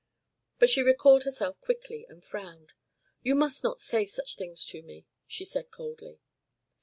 But she recalled herself quickly and frowned. "You must not say such things to me," she said coldly.